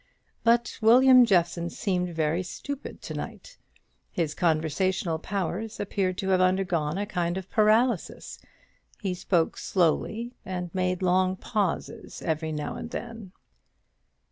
But William Jeffson seemed very stupid to night. His conversational powers appeared to have undergone a kind of paralysis. He spoke slowly, and made long pauses every now and then.